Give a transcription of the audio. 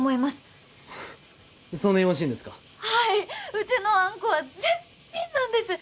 うちのあんこは絶品なんです。